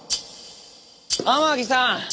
天樹さん！